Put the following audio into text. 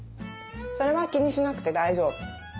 それは気にしなくて大丈夫。